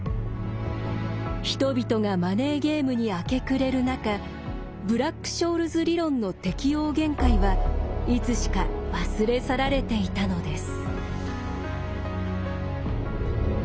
人々がマネーゲームに明け暮れる中ブラック・ショールズ理論の適用限界はいつしか忘れ去られていたのです。